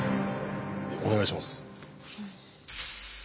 お願いします。